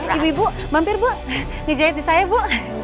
ibu ibu mampir bu ngejahit di saya bu